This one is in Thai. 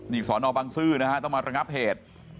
นี่สอนอบังซื้อนะฮะต้องมาระงับเหตุ